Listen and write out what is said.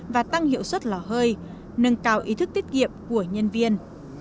và tăng hiệu suất lò hơi nâng cao ý thức tiết kiệm của nhân viên